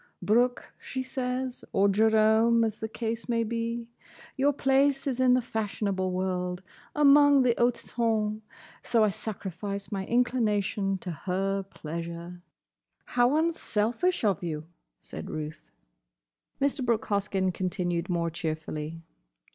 'Brooke,' she says—or 'Jerome,' as the case may be—'your place is in the fashionable world, among the hote tonn.' So I sacrifice my inclination to her pleasure." "How unselfish of you!" said Ruth. Mr. Brooke Hoskyn continued more cheerfully.